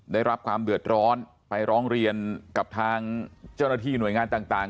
ได้รับความเดือดร้อนไปร้องเรียนกับทางเจ้าหน้าที่หน่วยงานต่าง